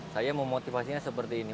saya memotivasinya seperti ini